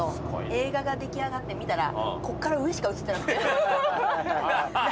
映画が出来上がって見たらこっから上しか映ってない。